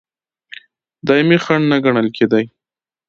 دایمي خنډ نه ګڼل کېدی.